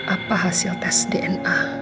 apa hasil tes dna